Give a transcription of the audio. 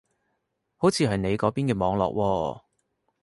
好似係你嗰邊嘅網絡喎